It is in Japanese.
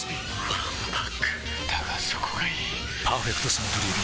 わんぱくだがそこがいい「パーフェクトサントリービール糖質ゼロ」